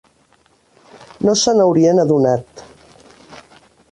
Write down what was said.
No se'n haurien adonat.